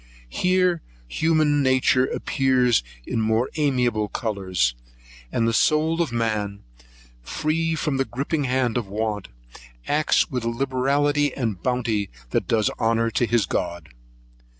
Here human nature appears in more amiable colours, and the soul of man, free from the gripping hand of want, acts with a liberality and bounty that does honour to his God.